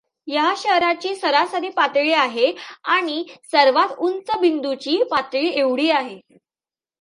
या शहराची सरासरी पातळी आहे आणि सर्वांत उंच बिंदूची पातळी एवढी आहे.